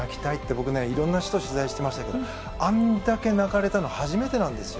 僕ね色んな人取材しましたけどあれだけ泣かれたの初めてなんですよ。